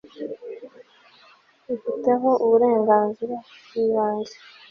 ifiteho uburenganzira bw ibanze